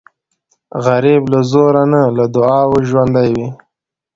غریب له زوره نه، له دعاو ژوندی وي